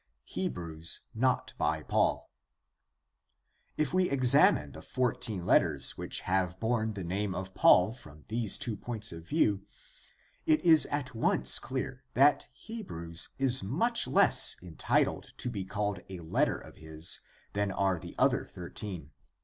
Hebrews not by Paul. — If we examine the fourteen letters which have borne the name of Paul from these two points of view, it is at once clear that Hebrews is much less entitled to be called a letter of his than are the other thirteen.